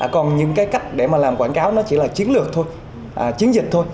còn những cái cách để mà làm quảng cáo nó chỉ là chiến dịch thôi